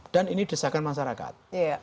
dan ini desakan masyarakat